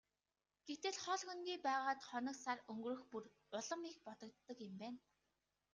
Гэтэл хол хөндий байгаад хоног сар өнгөрөх бүр улам их бодогддог юм байна.